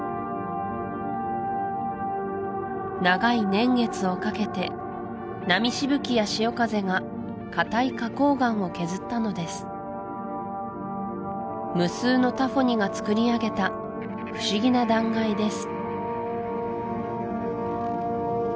長い年月をかけて波しぶきや潮風が硬い花崗岩を削ったのです無数のタフォニが造り上げた不思議な断崖です